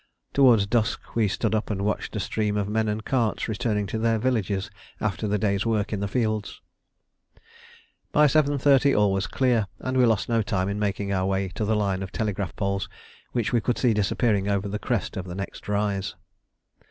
Towards dusk we stood up and watched a stream of men and carts returning to their villages after the day's work in the fields. By 7.30 all was clear, and we lost no time in making our way to the line of telegraph poles which we could see disappearing over the crest of the next rise.